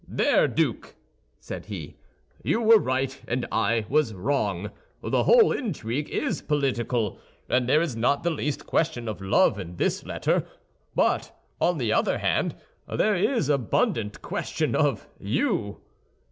"There, Duke," said he, "you were right and I was wrong. The whole intrigue is political, and there is not the least question of love in this letter; but, on the other hand, there is abundant question of you."